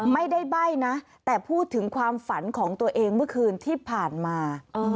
ใบ้นะแต่พูดถึงความฝันของตัวเองเมื่อคืนที่ผ่านมา